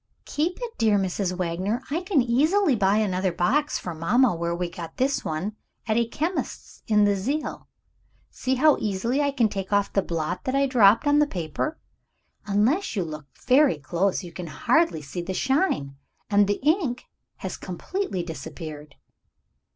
"Keep it, dear Mrs. Wagner. I can easily buy another box for mamma where we got this one, at a chemist's in the Zeil. See how easily I can take off the blot that I dropped on the paper! Unless you look very close, you can hardly see the shine and the ink has completely disappeared."